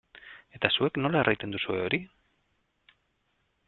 Eta zuek nola erraiten duzue hori?